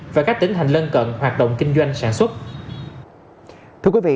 và các tỉnh hành lân cận hoạt động kinh doanh sản xuất